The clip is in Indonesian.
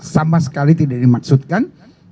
sama sekali tidak dimaksudkan